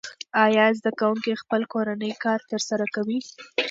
آیا زده کوونکي خپل کورنی کار ترسره کوي؟